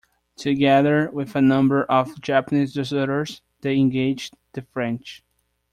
Together with a number of Japanese deserters, they engaged the French.